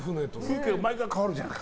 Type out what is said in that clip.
風景が毎回変わるじゃない。